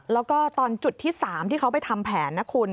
แล้วก็ตอนจุดที่๓ที่เขาไปทำแผนนะคุณ